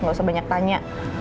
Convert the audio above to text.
gak usah banyak tanya